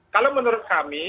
kalau menurut kami